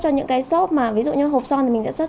cho những cái xop mà ví dụ như hộp son thì mình sẽ xuất